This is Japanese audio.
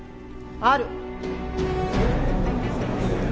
ある。